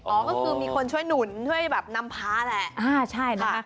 ก็คือมีคนช่วยหนุนช่วยแบบนำพาแหละใช่นะคะ